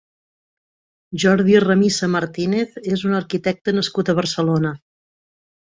Jordi Ramisa Martínez és un arquitecte nascut a Barcelona.